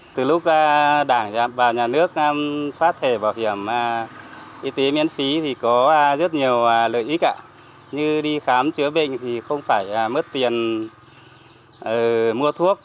từ lúc đảng và nhà nước phát thẻ bảo hiểm y tế miễn phí thì có rất nhiều lợi ích cả như đi khám chữa bệnh thì không phải mất tiền mua thuốc